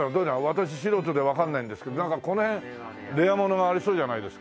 私素人でわかんないんですけどなんかこの辺レアものがありそうじゃないですか。